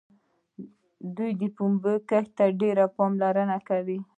دوی د پنبې کښت ته ډېره پاملرنه کوي.